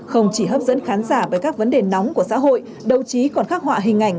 không chỉ hấp dẫn khán giả với các vấn đề nóng của xã hội đồng chí còn khắc họa hình ảnh